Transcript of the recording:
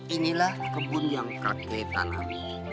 inilah kebun yang kakek tanami